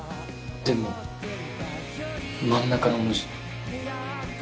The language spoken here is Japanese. でも真ん中の文字が。